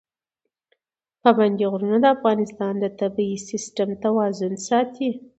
پابندي غرونه د افغانستان د طبعي سیسټم توازن ساتي.